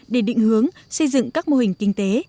để định hướng xây dựng các mô hình kinh tế